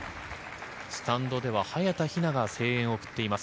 スタンドでは早田ひなが声援を送っています。